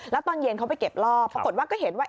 แล้วตอนเย็นเขาไปเก็บรอบปรากฏว่าก็เห็นว่า